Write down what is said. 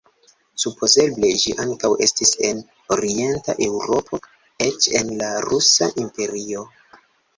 Supozeble ĝi ankaŭ estis en orienta Eŭropo, eĉ en la Rusa Imperio.